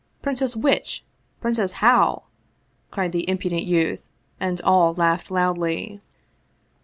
Princess Which? Princess How?" cried the impudent youth, and all laughed loudly.